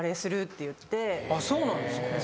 そうなんですか。